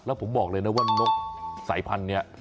แล้วผมบอกเลยนะว่านกสายพันธุ์นี้